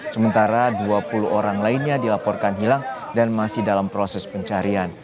sementara dua puluh orang lainnya dilaporkan hilang dan masih dalam proses pencarian